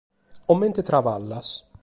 Comente traballas?